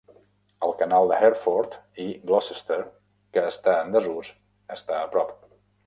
El Canal de Hereford i Gloucester que està en desús, està a prop.